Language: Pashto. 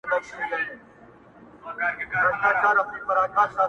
سلامۍ ته را روان یې جنرالان وه-